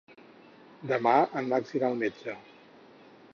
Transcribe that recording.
Demà en Max irà al metge.